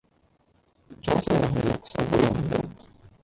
左手又係肉，手背又係肉